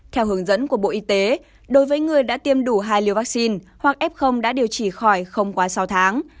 theo hướng dẫn của bộ y tế đối với người đã tiêm đủ hai liều vaccine hoặc f đã điều trị khỏi không quá sáu tháng